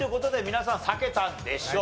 皆さん避けたんでしょう。